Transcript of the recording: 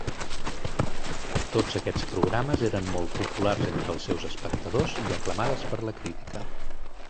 Tots aquests programes eren molt populars entre els seus espectadors i aclamades per la crítica.